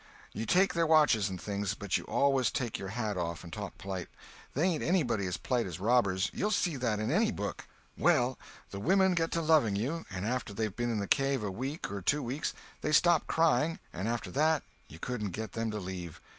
You take their watches and things, but you always take your hat off and talk polite. They ain't anybody as polite as robbers—you'll see that in any book. Well, the women get to loving you, and after they've been in the cave a week or two weeks they stop crying and after that you couldn't get them to leave.